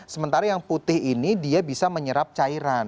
sementara yang putih ini dia bisa menyerap cairan